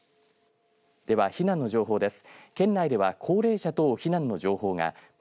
では避難の情報です。